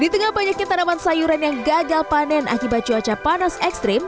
di tengah penyakit tanaman sayuran yang gagal panen akibat cuaca panas ekstrim